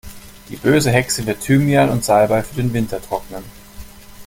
Die böse Hexe wird Thymian und Salbei für den Winter trocknen.